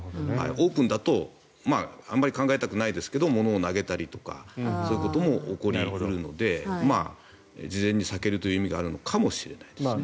オープンだとあまり考えたくないですが物を投げたりとかそういうことも起こり得るので事前に避けるという意味があるのかもしれないですね。